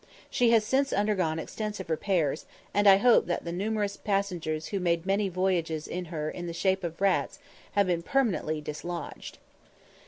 She has since undergone extensive repairs, and I hope that the numerous passengers who made many voyages in her in the shape of rats have been permanently dislodged.